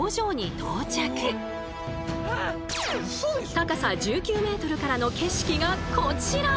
高さ１９ｍからの景色がこちら！